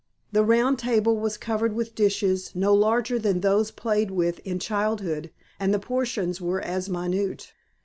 The round table was covered with dishes no larger than those played with in childhood and the portions were as minute.